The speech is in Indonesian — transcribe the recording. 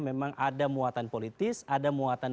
memang ada muatan politis ada muatan